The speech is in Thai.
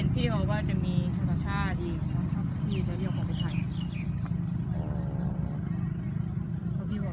ก็ไม่รักก็ไม่รักก็ไม่รักก็ไม่รัก